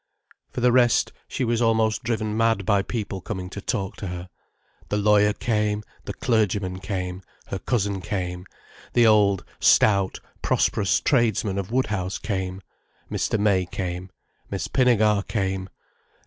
For the rest, she was almost driven mad by people coming to talk to her. The lawyer came, the clergyman came, her cousin came, the old, stout, prosperous tradesmen of Woodhouse came, Mr. May came, Miss Pinnegar came.